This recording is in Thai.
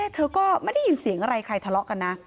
เธอก็ไม่ได้ยินเสียงอะไรใครทะเลาะกันนะ